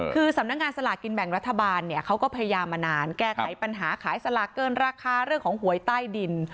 คือสำนักงานสลากกินแบ่งรัฐบาลเนี่ยเขาก็พยายามมานานแก้ไขปัญหาขายสลากเกินราคาเรื่องของหวยใต้ดิน